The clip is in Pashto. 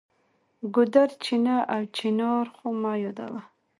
ګودر، چینه او چنار خو مه یادوه.